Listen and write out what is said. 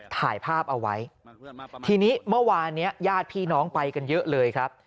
ถ่ายภาพเอาไว้ทีนี้เมื่อวานเนี้ยญาติพี่น้องไปกันเยอะเลยครับ